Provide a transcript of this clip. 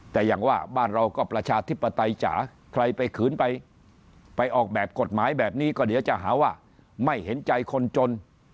แต่อย่างว่าบ้านเราก็ประชาธิปไตยจ๋าใครไปขืนไปออกแบบกฎหมายแบบนี้ก็เดี๋ยวจะหาว่าไม่เห็นใจคนจน